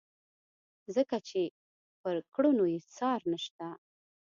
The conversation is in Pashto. ځکه چې پر کړنو یې څار نشته.